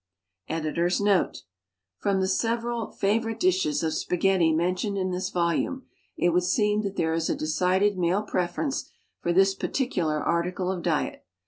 Editor's Note:— From the several "favorite dishes" of spaghetti mentioned in this volume it would seem that there is a decided male preference for this particular article of diet.